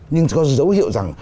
nhưng có dấu hiệu rằng